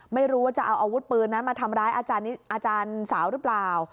ไม่รู้ว่าจะเอาอาวุธปืนนั้นมาทำร้ายอาจารย์สาวหรือเปล่า